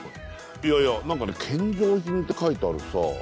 いやいや何かね献上品って書いてあるさ